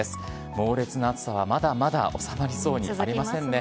猛烈な暑さはまだまだ収まりそうにありませんね。